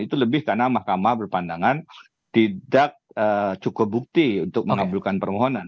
itu lebih karena mahkamah berpandangan tidak cukup bukti untuk mengabulkan permohonan